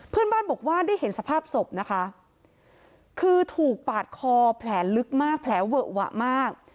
เพื่อนบ้านบอกว่าได้เห็นสภาพศพนะคะคือถูกปาดคอแผลลึกมากแผลเวอะหวะมาก